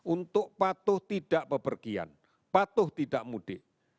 untuk patuh tidak bepergian patuh tidak mudik